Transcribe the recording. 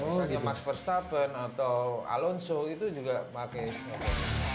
misalnya max verstappen atau alonso itu juga pakai software